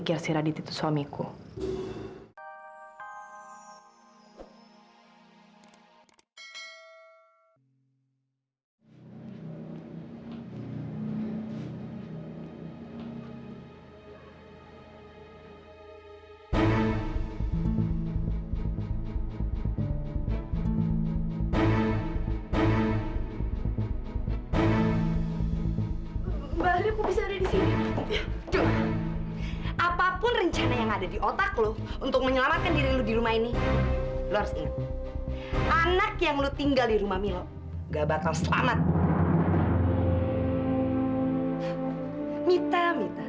kamu ngomong sama siapa baru saja